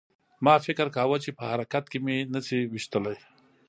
ما فکر کاوه چې په حرکت کې مې نشي ویشتلی